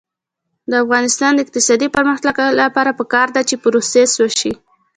د افغانستان د اقتصادي پرمختګ لپاره پکار ده چې پروسس وشي.